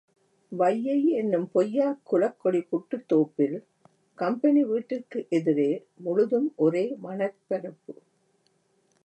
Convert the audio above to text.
வையை யென்னும் பொய்யாக் குலக் கொடி புட்டுத்தோப்பில் கம்பெனி வீட்டிற்கு எதிரே முழுதும் ஒரே மணற் பரப்பு.